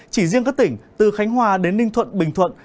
chỉ riêng các tỉnh từ khánh hòa đến ninh thuận bình thuận